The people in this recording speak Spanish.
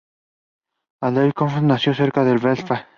Adair Crawford nació cerca de Belfast.